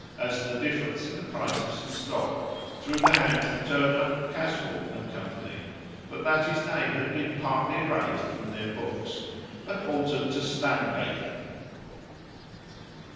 as the difference in the price of some stock, through the hands of Turner, Caswall, and Co., but that his name had been partly erased from their books, and altered to Stangape.